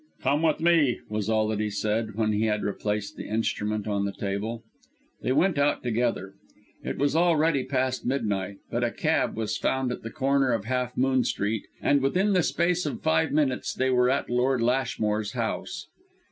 "Come with me," was all that he said, when he had replaced the instrument on the table. They went out together. It was already past midnight, but a cab was found at the corner of Half Moon Street, and within the space of five minutes they were at Lord Lashmore's house.